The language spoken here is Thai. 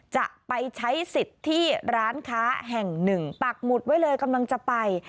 จะไปใช้สิทธิ์ที่ร้านค้าแห่งหนึ่งปักหมุดไว้เลยกำลังจะไป